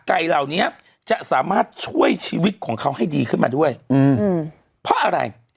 ไก่เหล่านี้จะสามารถช่วยชีวิตของเขาให้ดีขึ้นมาด้วยอืมเพราะอะไร